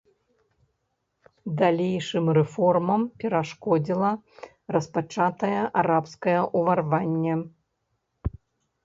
Далейшым рэформам перашкодзіла распачатае арабскае ўварванне.